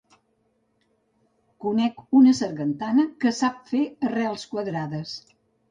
Conec una sargantana que sap fer arrels quadrades.